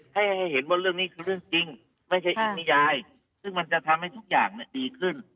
ให้ให้เห็นว่าเรื่องนี้คือเรื่องจริงไม่ใช่อีกนิยายซึ่งมันจะทำให้ทุกอย่างดีขึ้น